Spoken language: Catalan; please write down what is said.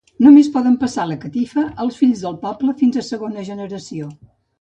Només poden passar la catifa els fills del poble fins a segona generació.